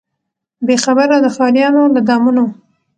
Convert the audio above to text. بې خبره د ښاریانو له دامونو